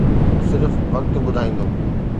صرف وقت ٻڌائيندو.